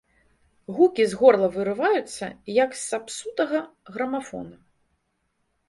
Гукі з горла вырываюцца, як з сапсутага грамафона.